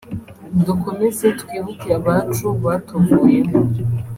Dukomeze twibuke abacu batuvuyemo